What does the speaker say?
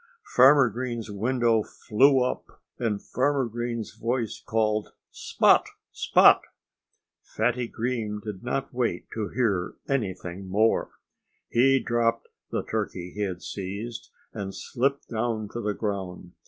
Farmer Green's window flew up; and Farmer Green's voice called "Spot! Spot!" Fatty Coon did not wait to hear anything more. He dropped the turkey he had seized and slipped down to the ground.